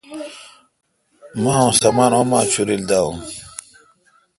مہ اوں سامان اوما ڄورل داون۔